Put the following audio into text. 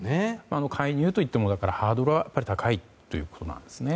介入といってもハードルは高いということなんですね。